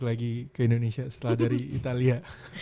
lagi ke indonesia setelah dari italia